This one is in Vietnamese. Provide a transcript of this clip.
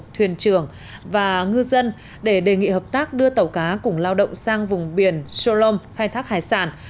thuyền trưởng và ngư dân để đề nghị hợp tác đưa tàu cá cùng lao động sang vùng biển sholom khai thác hải sản